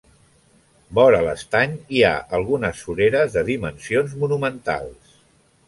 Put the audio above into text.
Vora l'estany hi ha algunes sureres de dimensions monumentals.